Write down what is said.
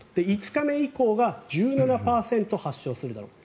５日目以降が１７％発症するだろうと。